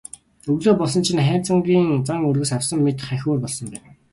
Өглөө болсон чинь Хайнзангийн зан өргөс авсан мэт хахь өөр болсон байв.